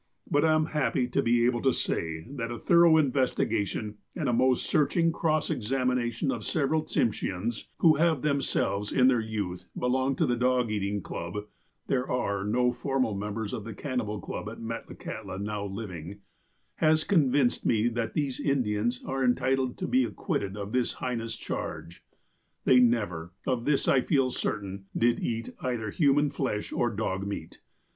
But I am happy to be able to say that a thorough investigation, and a most searching cross exami THE TOTEMS AND CLUBS 91 nation of several Tsimslieans, who have themselves, in their youth, belonged to the dog eating club (there are no former members of the cannibal club at Metlakahtla now living), has convinced me that these Indians are en titled to be acquitted of this heinous charge. They never, — of this I feel certain, — did eat either hu man flesh or dog meat.